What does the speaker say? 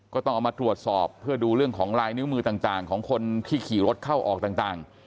ก็ต้องเอามาตรวจสอบเพื่อดูเรื่องของลายนิ้วมือต่างของคนที่ขี่รถเข้าออกต่าง